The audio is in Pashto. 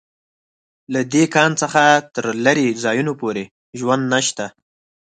له دې کان څخه تر لېرې ځایونو پورې ژوند نشته